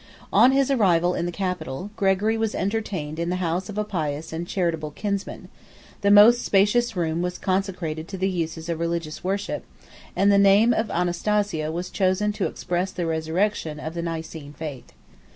On his arrival in the capital, Gregory was entertained in the house of a pious and charitable kinsman; the most spacious room was consecrated to the uses of religious worship; and the name of Anastasia was chosen to express the resurrection of the Nicene faith.